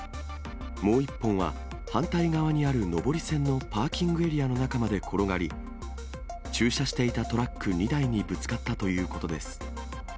もう１本は、反対側にある上り線のパーキングエリアの中まで転がり、駐車していたトラック２台にぶつかったということです。